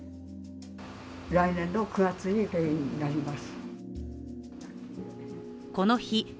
来年の９月に閉院になります。